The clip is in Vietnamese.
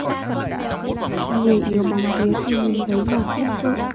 Người yếu bóng vía thì nhìn thấy mà kinh sợ